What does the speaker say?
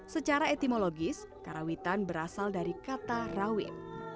secara etimologis karawitan berasal dari kata rawit